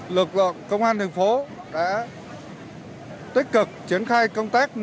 lực lượng công an thành phố đã tích cực triển khai công tác của bà con